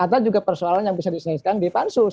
atau juga persoalan yang bisa diselesaikan di pansus